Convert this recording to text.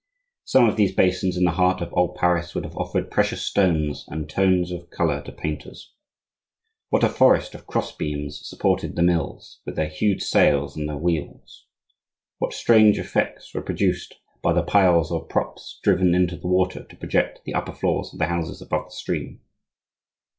Some of these basins in the heart of old Paris would have offered precious scenes and tones of color to painters. What a forest of crossbeams supported the mills with their huge sails and their wheels! What strange effects were produced by the piles or props driven into the water to project the upper floors of the houses above the stream!